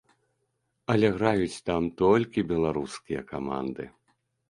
Але граюць там толькі беларускія каманды.